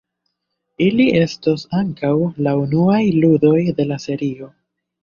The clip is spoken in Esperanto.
Ili estos ankaŭ la unuaj ludoj de la serio.